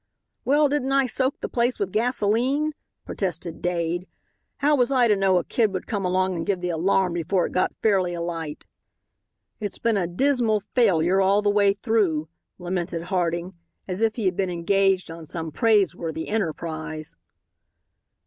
"Well, didn't I soak the place with gasolene," protested Dade; "how was I to know a kid would come along and give the alarm before it got fairly alight?" "It's been a dismal failure all the way through," lamented Harding, as if he had been engaged on some praiseworthy enterprise.